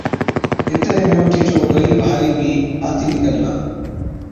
اِتري ۾ اُٺِيچ او غرِيب هارِي بِي آتِي نِڪرلا۔